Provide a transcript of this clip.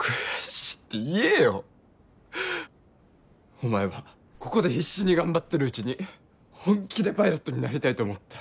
お前はここで必死に頑張ってるうちに本気でパイロットになりたいと思った。